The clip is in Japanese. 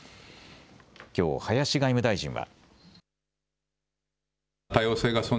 きょう林外務大臣は。